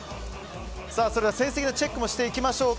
それでは成績のチェックもしていきましょう。